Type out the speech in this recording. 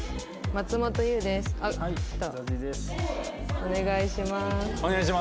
お願いします。